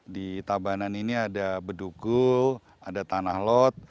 di tabanan ini ada bedugul ada tanah hutan ada perut ada perut